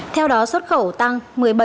theo đó xuất khẩu tăng một mươi bảy năm